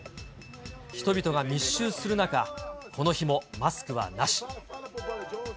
人々が密集する中、この日もマスクはなし。